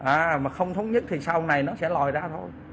à mà không thống nhất thì sau này nó sẽ lòi ra thôi